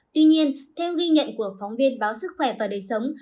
tuy nhiên theo ghi nhận của phóng viên báo sức khỏe và đời sống